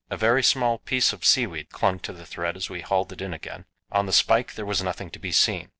A very small piece of seaweed clung to the thread as we hauled it in again; on the spike there was nothing to be seen.